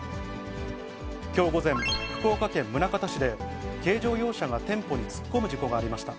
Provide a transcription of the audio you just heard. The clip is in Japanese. きょう午前、福岡県宗像市で、軽乗用車が店舗に突っ込む事故がありました。